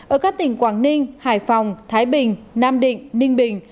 ở các tỉnh quảng ninh hải phòng thái bình nam định ninh bình